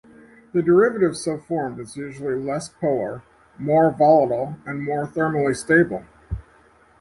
The derivative so formed is usually less polar, more volatile and more thermally stable.